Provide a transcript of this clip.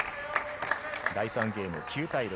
第３ゲーム９対６。